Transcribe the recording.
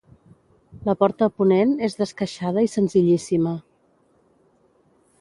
La porta a ponent és d'esqueixada i senzillíssima.